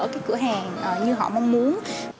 cái cửa hàng như họ mong muốn